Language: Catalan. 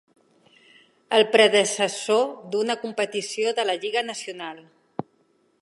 El predecessor d'una competició de la lliga nacional.